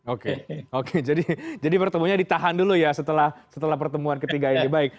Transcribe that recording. oke oke jadi pertemuannya ditahan dulu ya setelah pertemuan ketiga ini baik